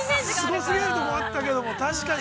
◆すごすぎるところがあったけど、確かに。